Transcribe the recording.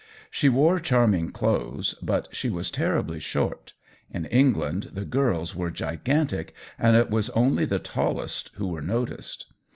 She wore charming clothes, but she was terribly short; in England the girls were gigantic, and it was only the tallest who were noticed.